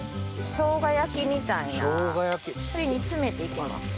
しょうが焼きみたいな煮詰めていきます。